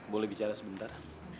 boleh bicara sebentar